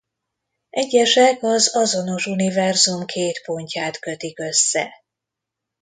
Egyesek az azonos univerzum két pontját kötik össze.